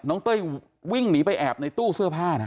เต้ยวิ่งหนีไปแอบในตู้เสื้อผ้านะ